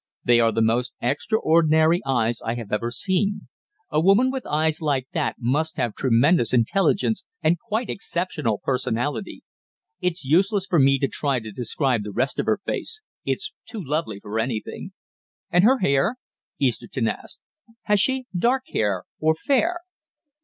They are the most extraordinary eyes I have ever seen; a woman with eyes like that must have tremendous intelligence and quite exceptional personality. It's useless for me to try to describe the rest of her face; it's too lovely for anything." "And her hair?" Easterton asked. "Has she dark hair or fair?"